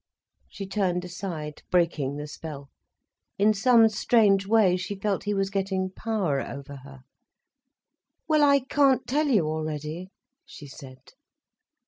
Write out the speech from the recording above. She turned aside, breaking the spell. In some strange way, she felt he was getting power over her. "Well, I can't tell you already," she said.